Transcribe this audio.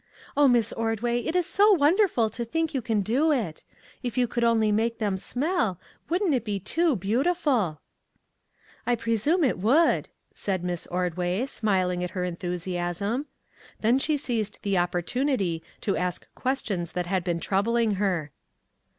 O Miss Ordway, it is so wonderful to think you can do it ! If you could only make them smell, wouldn't it be too beautiful !"" I presume it would," said Miss Ordway, smiling at her enthusiasm. Then she seized the opportunity to ask questions that had been puzzling her.